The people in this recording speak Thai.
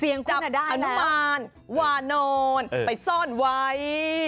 เซียงคุณอะได้แล้วจับอนุมารวานอนไปซ่อนไว้